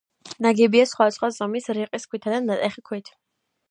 ნაგებია სხვადასხვა ზომის რიყის ქვითა და ნატეხი ქვით.